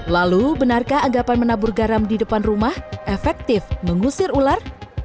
lalu benarkah anggapan menabur garam di depan rumah efektif mengusir ular